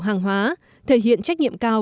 hàng hóa thể hiện trách nhiệm cao